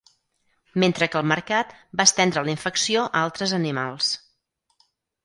Mentre que al mercat va estendre la infecció a altres animals.